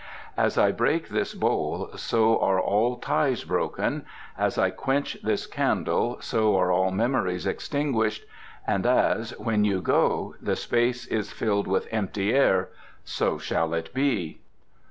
As I break this bowl so are all ties broken, as I quench this candle so are all memories extinguished, and as, when you go, the space is filled with empty air, so shall it be."